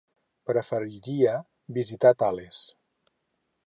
Preferiria visitar Tales.